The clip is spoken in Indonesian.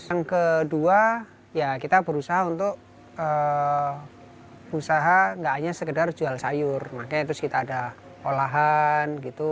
yang kedua ya kita berusaha untuk usaha nggak hanya sekedar jual sayur makanya terus kita ada olahan gitu